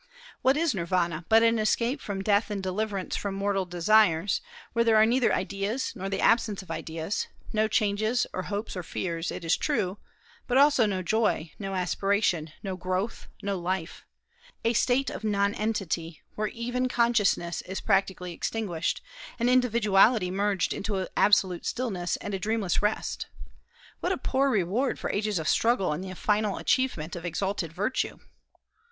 What is Nirvana but an escape from death and deliverance from mortal desires, where there are neither ideas nor the absence of ideas; no changes or hopes or fears, it is true, but also no joy, no aspiration, no growth, no life, a state of nonentity, where even consciousness is practically extinguished, and individuality merged into absolute stillness and a dreamless rest? What a poor reward for ages of struggle and the final achievement of exalted virtue!